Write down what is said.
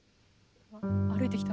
歩いてきた。